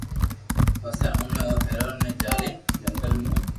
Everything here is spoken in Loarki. پسي اوڻي او ھيرن ني جالين جنگل مون